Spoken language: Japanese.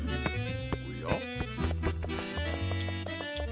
おや？